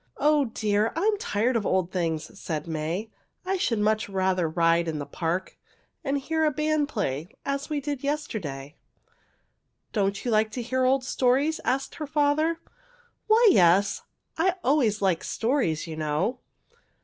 "Oh, dear! I am tired of old things," said May. "I should much rather ride in the park and hear the band play, as we did yesterday." "Don't you like to hear old stories?" asked her father. "Why, yes! I always like stories, you know."